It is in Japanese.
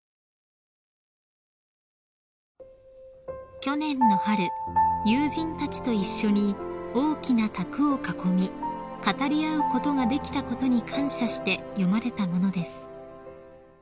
［去年の春友人たちと一緒に大きな卓を囲み語り合うことができたことに感謝して詠まれたものです］